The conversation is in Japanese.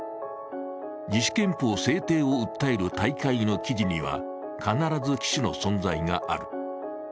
自主憲法制定を訴える大会の記事には、必ず岸の存在がある。